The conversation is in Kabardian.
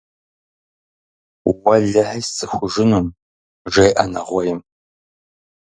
– Уэлэхьи сцӀыхужынум, – жеӀэ нэгъуейм.